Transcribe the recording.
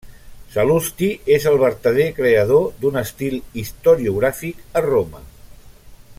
Sal·lusti és el vertader creador d'un estil historiogràfic a Roma.